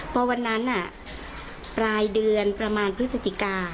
พอวันนั้นปลายเดือนประมาณพฤศจิกา